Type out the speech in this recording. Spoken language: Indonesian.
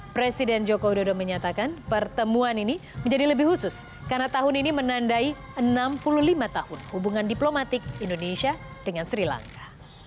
presiden joko widodo menyatakan pertemuan ini menjadi lebih khusus karena tahun ini menandai enam puluh lima tahun hubungan diplomatik indonesia dengan sri lanka